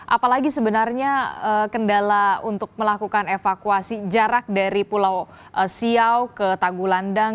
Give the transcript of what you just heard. apalagi sebenarnya kendala untuk melakukan evakuasi jarak dari pulau siau ke tanggulandang